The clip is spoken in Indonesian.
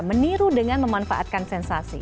meniru dengan memanfaatkan sensasi